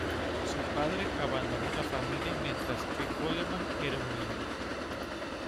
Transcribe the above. Su padre abandonó la familia mientras que Coleman era un niño.